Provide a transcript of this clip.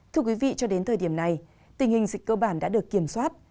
thưa quý vị cho đến thời điểm này tình hình dịch cơ bản đã được kiểm soát